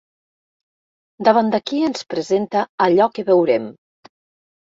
Davant d'aquí ens presenta allò que veurem.